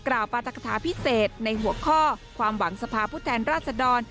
ปาตกฐาพิเศษในหัวข้อความหวังสภาพผู้แทนราชดร